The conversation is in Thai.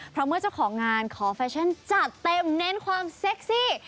เพราะเมื่อเจ้าของงานขอแฟชั่นจัดเต็มเน้นความเซ็กซี่